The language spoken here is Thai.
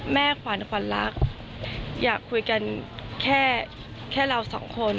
ขวัญขวัญรักอยากคุยกันแค่เราสองคน